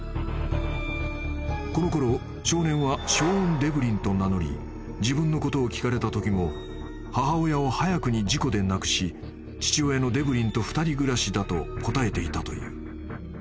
［このころ少年はショーン・デブリンと名乗り自分のことを聞かれたときも母親を早くに事故で亡くし父親のデブリンと２人暮らしだと答えていたという］